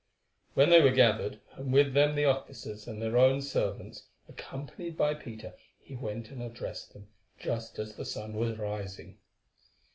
When they were gathered, and with them the officers and their own servants, accompanied by Peter, he went and addressed them just as the sun was rising.